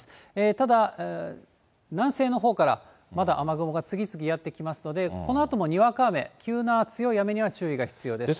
ただ、南西のほうからまだ雨雲が次々やってきますので、このあともにわか雨、急な強い雨には注意が必要です。